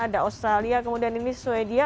ada australia kemudian ini sweden